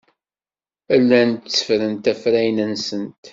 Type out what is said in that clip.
Llant tteffrent afrayen-nsent.